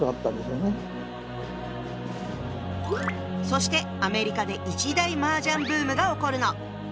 そしてアメリカで一大マージャンブームが起こるの。